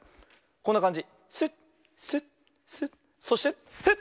こんなかんじ。